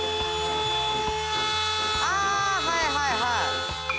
あぁはいはいはい。